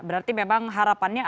berarti memang harapannya